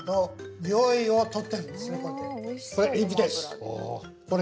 これエビです。